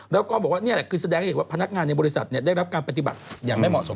แล้วก็แสดงให้เห็นว่าพนักงานในบริษัทได้รับการปฏิบัติอย่างไม่เหมาะสม